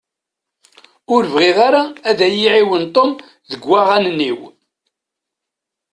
Ur bɣiɣ ara ad iyi-iɛiwen Tom deg waɣanen-iw.